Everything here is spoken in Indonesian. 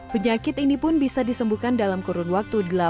penyakit ini pun bisa disembuhkan dalam kurun waktu